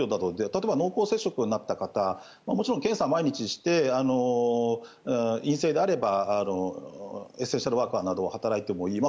例えば、濃厚接触になった方もちろん検査を毎日して陰性であればエッセンシャルワーカーなど働いてもいい。